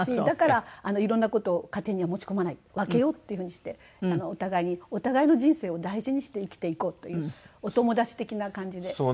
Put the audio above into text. だから色んな事を家庭には持ち込まない分けようっていうふうにしてお互いにお互いの人生を大事にして生きていこうというお友達的な感じで。